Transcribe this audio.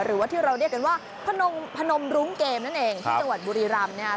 หรือว่าที่เราเรียกกันว่าพนมพนมรุ้งเกมนั่นเองที่จังหวัดบุรีรำนะครับ